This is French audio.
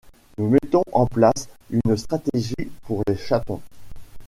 Nous mettons en place une stratégie pour les chatons.